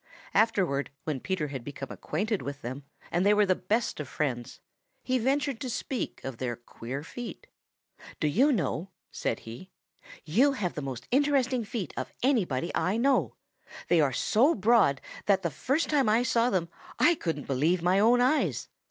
Afterward, when Peter had become acquainted with them and they were the best of friends, he ventured to speak of their queer feet. "Do you know," said he, "you have the most interesting feet of anybody I know of. They are so broad that the first time I saw them I couldn't believe my own eyes.